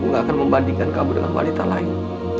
dan aku gak akan membandingkan kamu dengan wanita lain